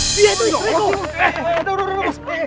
udah udah mas